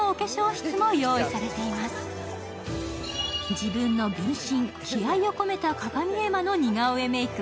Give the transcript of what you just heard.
自分の分身、気合いを込めた鏡絵馬の似顔絵メイク。